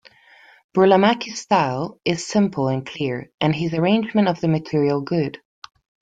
Burlamaqui's style is simple and clear, and his arrangement of the material good.